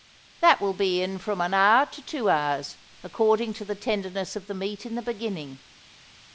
That will be in from an hour to two hours, according to the tenderness of the meat in the beginning.